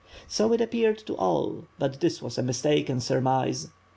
So it appeared to all, but this was a mistaken surmise.